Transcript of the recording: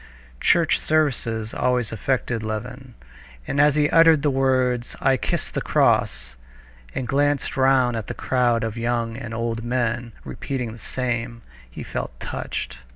Church services always affected Levin, and as he uttered the words "I kiss the cross," and glanced round at the crowd of young and old men repeating the same, he felt touched.